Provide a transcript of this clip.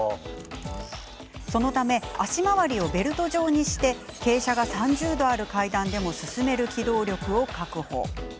そのため足回りをベルト状にして傾斜が３０度ある階段でも進める機動力を確保。